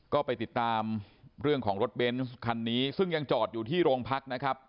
ก็ไปติดตามเรื่องของรถเบนส์คันนี้ซึ่งยังจอดอยู่ที่โรงพักนะครับ